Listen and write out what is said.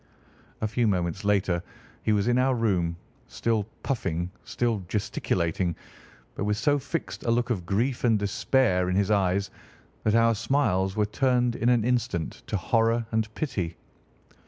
A few moments later he was in our room, still puffing, still gesticulating, but with so fixed a look of grief and despair in his eyes that our smiles were turned in an instant to horror and pity.